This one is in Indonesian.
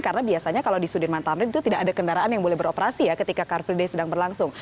karena biasanya kalau di sudirman tamrin itu tidak ada kendaraan yang boleh beroperasi ya ketika car free day sedang berlangsung